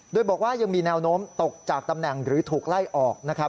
โดยบอกว่ายังมีแนวโน้มตกจากตำแหน่งหรือถูกไล่ออกนะครับ